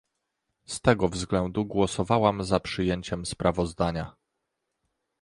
Z tego względu głosowałam za przyjęciem sprawozdania